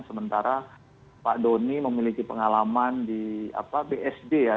sementara pak doni memiliki pengalaman di bsd ya